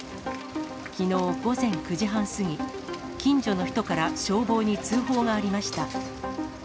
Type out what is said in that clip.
きのう午前９時半過ぎ、近所の人から消防に通報がありました。